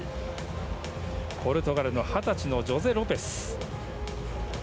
ポルトガルの二十歳のジョゼ・ロペス。